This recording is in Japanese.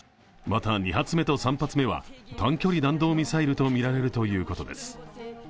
また、２発目と３発目は短距離弾道ミサイルとみられるということです。